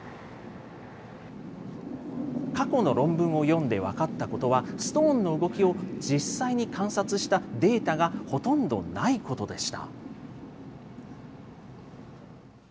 過去の論文を読んで分かったことは、ストーンの動きを実際に観察したデータがほとんどないことでした。